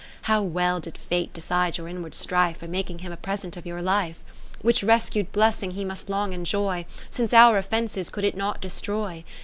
How well did Fate decide your in ward strife By making him a present of your life ? Which rescu'd blessing he must long enjoy, Since our offences could it not destroy.